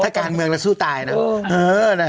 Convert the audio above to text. ถ้าการเมืองแล้วสู้ตายนะ